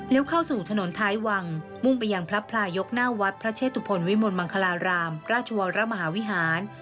เข้าสู่ถนนท้ายวังมุ่งไปยังพระพลายกหน้าวัดพระเชตุพลวิมลมังคลารามราชวรมหาวิหาร